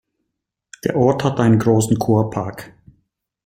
Der Ort hat einen großen Kurpark.